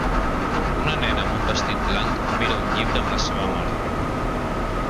Una nena amb un vestit blanc mira un llibre amb la seva mare.